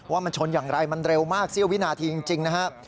ว่ามันชนอย่างไรมันเร็วมากเสี้ยววินาทีจริงนะครับ